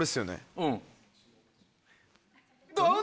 うん。